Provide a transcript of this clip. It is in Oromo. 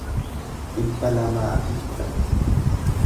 dhibba lamaa fi kudhan